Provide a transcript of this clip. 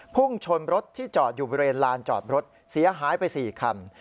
พุ่งชนรถที่จอดอยู่บริเวณลานจอดรถเสียหายไป๔คัน